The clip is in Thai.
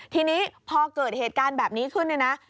ทีนี้พอเกิดเหตุการณ์แบบนี้ขึ้น